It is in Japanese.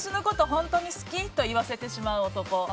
本当に好き？と言わせてしまう男。